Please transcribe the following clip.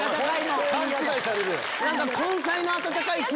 勘違いされる。